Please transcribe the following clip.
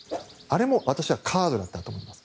あれも私はカードだったと思います。